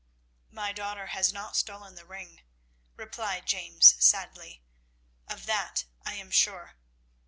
"My daughter has not stolen the ring," replied James sadly; "of that I am sure.